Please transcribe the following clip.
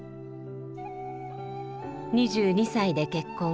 ２２歳で結婚。